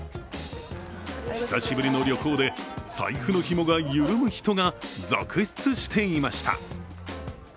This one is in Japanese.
久しぶりの旅行で財布のひもが緩む人が続出していました。